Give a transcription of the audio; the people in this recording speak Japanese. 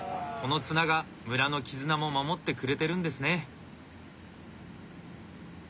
この綱が村の絆も守ってくれてるんですね。